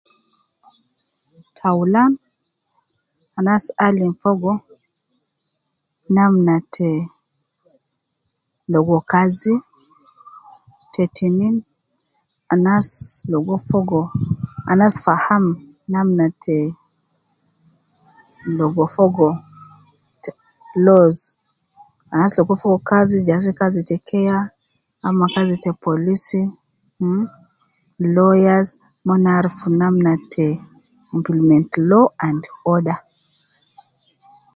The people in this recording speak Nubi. Dor al ta taalim gi so fi adul mustakbal ta usra tayi. Ana tayi abidu ainu Fogo kala. Neja ruwa fi bele Milan neja agara, Lakin bakan naagrija Hali ma Kun ja ta aulan de je Lisa Ina agara maa de Kun ta foo min taalim ta usra ya kaman ana kutu bidii kulu an so bidii asan kede agara. Ina ligo kidima. Al muhim maafi Kalam ta gayi fi bee